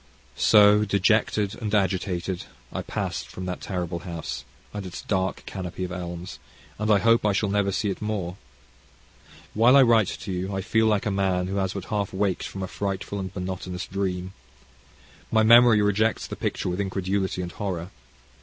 So, dejected and agitated, I passed from that terrible house, and its dark canopy of elms, and I hope I shall never see it more. While I write to you I feel like a man who has but half waked from a frightful and monotonous dream. My memory rejects the picture with incredulity and horror.